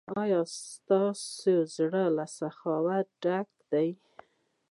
ایا ستاسو زړه له سخاوت ډک دی؟